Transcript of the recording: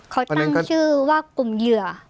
เขาตั้งชื่อว่ากลุ่มเหยื่อ